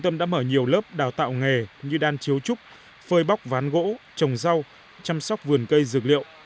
ở nhiều lớp đào tạo nghề như đan chiếu trúc phơi bóc ván gỗ trồng rau chăm sóc vườn cây dược liệu